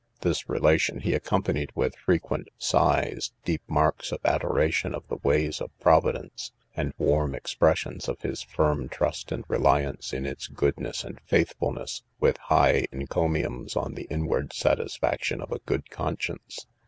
This relation he accompanied with frequent sighs, deep marks of adoration of the ways of Providence, and warm expressions of his firm trust and reliance in its goodness and faithfulness, with high encomiums on the inward satisfaction of a good conscience.